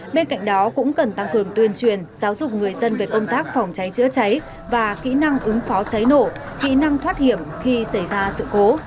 bên cạnh đó cũng cần tăng cường tuyên truyền giáo dục người dân về công tác phòng cháy chữa cháy và kỹ năng ứng phó cháy nổ kỹ năng thoát hiểm khi xảy ra sự cố